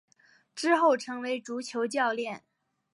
之后成为足球教练。